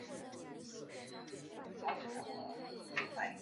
这些科研都深深影响着大学的发展。